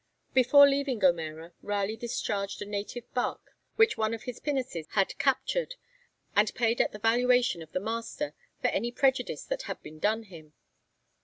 Before leaving Gomera, Raleigh discharged a native barque which one of his pinnaces had captured, and paid at the valuation of the master for any prejudice that had been done him.